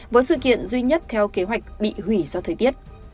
với sự kiện duy nhất theo kế hoạch bị hủy do thời tiết